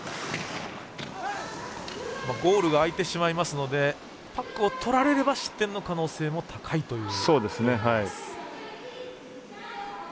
ゴールが空いてしまいますのでパックを取られれば失点の可能性も高いという。